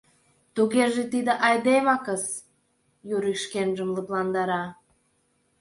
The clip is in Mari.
«Тугеже тиде айдемакыс, — Юрик шкенжым лыпландара.